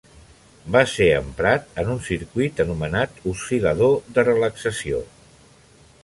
Va ser emprat en un circuit anomenat oscil·lador de relaxació.